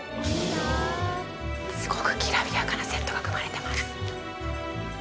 すごくきらびやかなセットが組まれてます